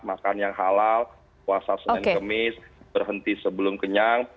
makan yang halal puasa senin kemis berhenti sebelum kenyang